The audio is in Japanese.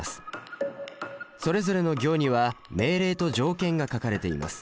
それぞれの行には命令と条件が書かれています。